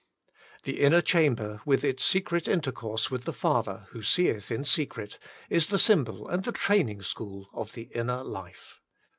The inner chamber, with its secret intercourse with the Father, who seeth in secret, is the symbol and the training school of the inner life.